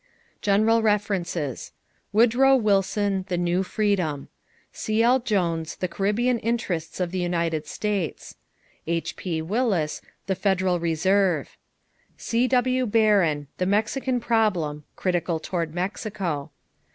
=General References= Woodrow Wilson, The New Freedom. C.L. Jones, The Caribbean Interests of the United States. H.P. Willis, The Federal Reserve. C.W. Barron, The Mexican Problem (critical toward Mexico).